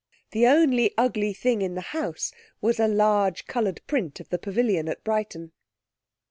The only ugly thing in the house was a large coloured print of the pavilion at Brighton.